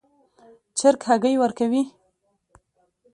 چرګ هګۍ ورکوي